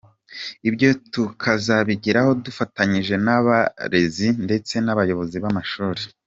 Ibyo tukazabigeraho dufatanyije n’abarezi ndetse n’abayobozi b’amashuri.